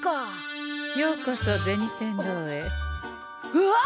うわっ！